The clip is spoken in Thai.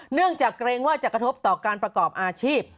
เนื่องจากเกรงว่าจะกระทบต่อการประกอบอาชีพ